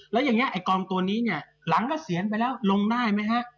และอย่างนี้ไอ้กองตัวนี้ล้างอัศวินไปแล้วลงได้มั้ยฮะ